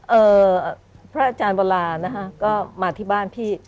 เอ่อพระอาจารย์วรานะคะก็มาที่บ้านพี่